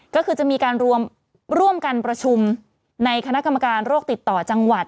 ก็คือจะมีการร่วมกันประชุมในคณะกรรมการโรคติดต่อจังหวัด